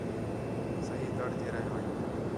صحیح تَڑ تی رَہ ون٘ڄ